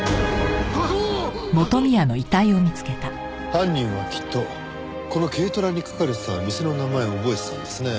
犯人はきっとこの軽トラに書かれてた店の名前を覚えてたんですね。